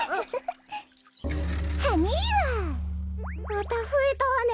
またふえたわね